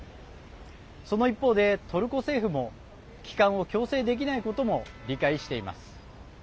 その一方で、トルコ政府も帰還を強制できないことも理解しています。